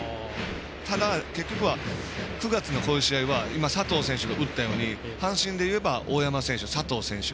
ただ、結局は９月のこういう試合は今、佐藤選手が打ったように阪神でいえば大山選手佐藤選手。